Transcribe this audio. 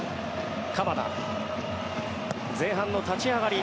前半の立ち上がり